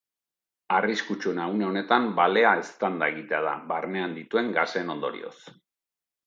Arriskutsuena une honetan, balea eztanda egitea da, barnean dituen gasen ondorioz.